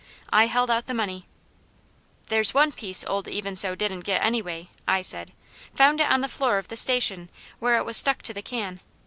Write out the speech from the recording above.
I held out the money. "There's one piece old Even So didn't get, anyway," I said. "Found it on the floor of the Station, where it was stuck to the can.